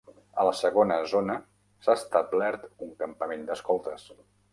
A la segona zona s'ha establert un campament d'escoltes.